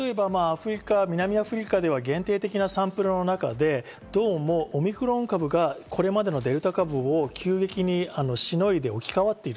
南アフリカでは限定的なサンプルの中でどうもオミクロン株がこれまでのデルタ株を急激にしのいで置き換わっている。